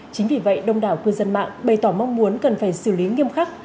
chính vì vậy đông đảo cư dân mạng bày tỏ mong muốn cần phải xử lý nghiêm khắc